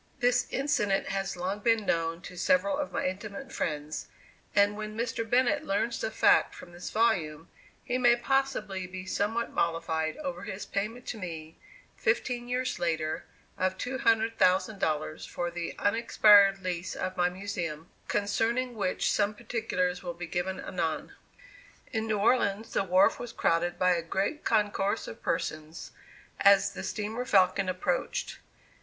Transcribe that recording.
This incident has long been known to several of my intimate friends, and when Mr. Bennett learns the fact from this volume, he may possibly be somewhat mollified over his payment to me, fifteen years later, of $200,000 for the unexpired lease of my Museum, concerning which some particulars will be given anon. In New Orleans the wharf was crowded by a great concourse of persons, as the steamer "Falcon" approached.